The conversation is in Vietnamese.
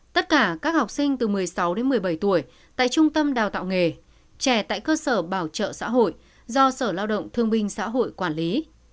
tất cả các học sinh từ một mươi sáu đến một mươi bảy tuổi tại trung tâm đào tạo nghề trẻ tại cơ sở bảo trợ xã hội do sở lao động thương binh xã hội quản lý